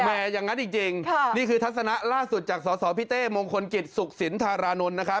แม่อย่างนั้นจริงนี่คือทัศนะล่าสุดจากสอสอพี่เต้มงคลกิจสุขศิลป์ธารานุล